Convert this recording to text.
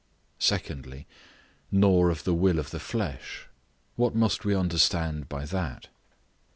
Secondly, "Nor of the will of the flesh." What must we understand by that?